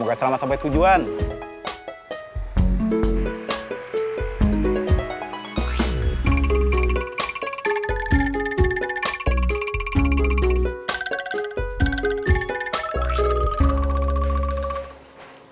maksudnya sampai kapan kita tetap kerja di sini